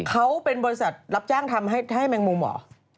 เขาเป็นบริษัทรับจ้างทำให้แมงมุมหมอ